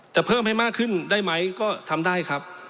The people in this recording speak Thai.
เพิ่มให้มากขึ้นได้ไหมก็ทำได้ครับ